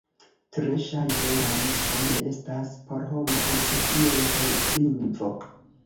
Tre ŝajne, la lingvo ne estas por homa uzo kiel helplingvo.